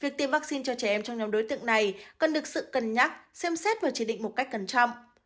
việc tiêm vaccine cho trẻ em trong nhóm đối tượng này cần được sự cân nhắc xem xét và chỉ định một cách cẩn trọng